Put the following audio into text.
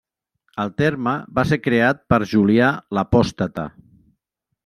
El terme va ser creat per Julià l'Apòstata.